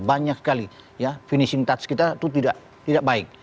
banyak sekali ya finishing touch kita itu tidak baik